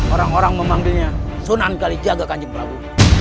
orang orang memanggilnya sunan kalijaga kanjimplau